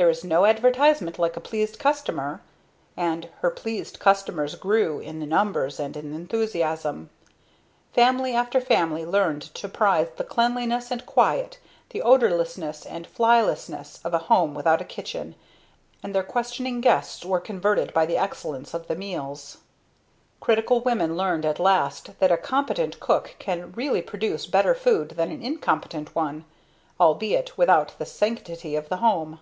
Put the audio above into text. "There is no advertisement like a pleased customer," and her pleased customers grew in numbers and in enthusiasm. Family after family learned to prize the cleanliness and quiet, the odorlessness and flylessness of a home without a kitchen, and their questioning guests were converted by the excellent of the meals. Critical women learned at last that a competent cook can really produce better food than an incompetent one; albeit without the sanctity of the home.